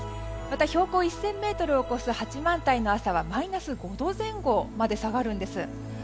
また標高１０００ｍを超える八幡平の朝はマイナス５度前後まで下がるんです。